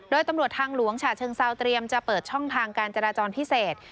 โดยตำรวจทางหลวงฉะเชิงเซาเตรียมจะเปิดช่องทางการจราจรพิเศษ